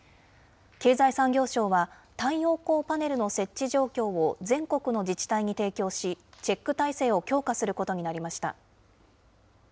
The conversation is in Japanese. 経済産業省は、太陽光パネルの設置状況を全国の自治体に提供し、チェック体制を強化することになりました。